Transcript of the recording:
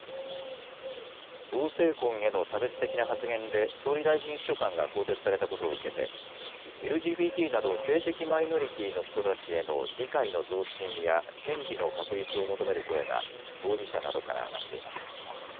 同性婚への差別的な発言で総理大臣秘書官が更迭されたことを受けてＬＧＢＴなど性的マイノリティーの人たちへの理解の増進や権利の確立を求める声が当事者などから上がっています。